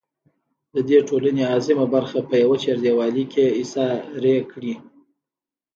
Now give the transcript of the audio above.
د دې ټـولنې اعظـيمه بـرخـه پـه يـوه چـارديـوالي کـې اېـسارې کـړي.